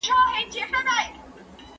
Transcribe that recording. ایا هغه کړنې بايد وزغمل سي چي غوسه پاروي؟